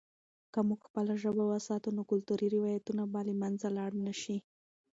که موږ خپله ژبه وساتو، نو کلتوري روایتونه به له منځه لاړ نه سي.